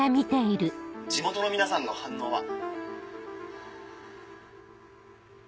地元の皆さんの反応は。